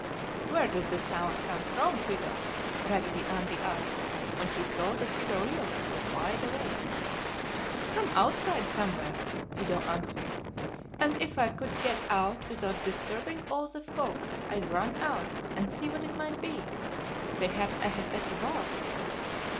"Where did the sound come from, Fido?" Raggedy Andy asked when he saw that Fido really was wide awake. "From outside somewhere!" Fido answered. "And if I could get out without disturbing all the folks, I'd run out and see what it might be! Perhaps I had better bark!"